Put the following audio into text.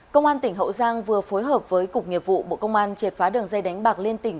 công an tỉnh hậu giang vừa phối hợp với cục nghiệp vụ bộ công an triệt phá đường dây đánh bạc liên tỉnh